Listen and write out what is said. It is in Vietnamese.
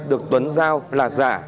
được tuấn giao là giả